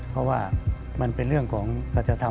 เพราะว่ามันเป็นเรื่องของสัจธรรม